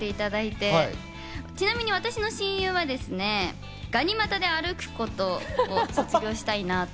ちなみに私の親友はですね、ガニ股で歩くことを卒業したいなと。